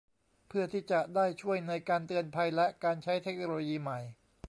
เพื่อที่จะได้ช่วยในการเตือนภัยและการใช้เทคโนโลยีใหม่